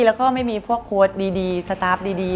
แล้วก็ไม่มีพวกโค้ดดีสตาร์ฟดี